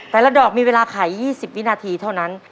แต่ละดอกมีเวลาไข๒๐วินาทีเท่านั้น